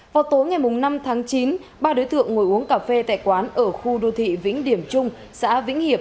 vào tối ngày năm tháng chín ba đối tượng ngồi uống cà phê tại quán ở khu đô thị vĩnh điểm trung xã vĩnh hiệp